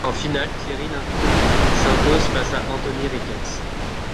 En finale, Thierry Lincou s'impose face à Anthony Ricketts.